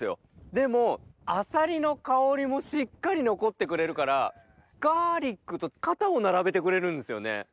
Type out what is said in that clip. でもあさりの香りもしっかり残ってくれるからガーリックと肩を並べてくれるんですよね。